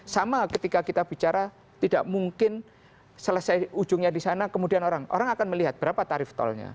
sama ketika kita bicara tidak mungkin selesai ujungnya di sana kemudian orang akan melihat berapa tarif tolnya